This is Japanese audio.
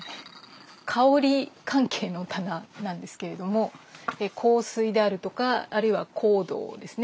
香り関係の棚なんですけれども香水であるとかあるいは香道ですね。